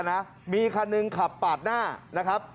โชคสงสัมสมบริการ